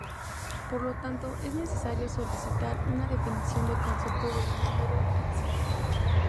Por lo tanto, es necesario solicitar una definición del concepto de número en sí.